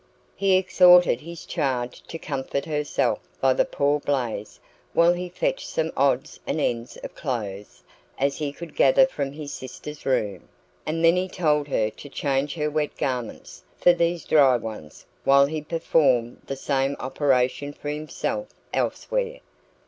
He exhorted his charge to comfort herself by the poor blaze while he fetched such odds and ends of clothes as he could gather from his sister's room; and then he told her to change her wet garments for these dry ones while he performed the same operation for himself elsewhere.